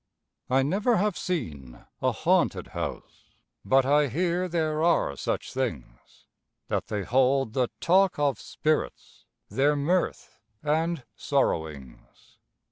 I never have seen a haunted house, but I hear there are such things; That they hold the talk of spirits, their mirth and sorrowings.